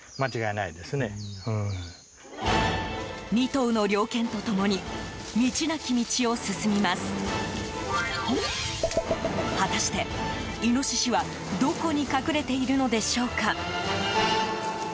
２頭の猟犬と共に道なき道を進みます。果たして、イノシシはどこに隠れているのでしょうか？